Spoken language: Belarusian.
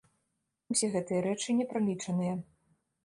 Усе гэтыя рэчы не пралічаныя.